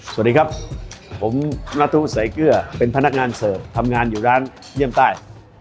สวัสดีครับผมนัทธุสายเกลือเป็นพนักงานเสิร์ฟทำงานอยู่ร้านเยี่ยมใต้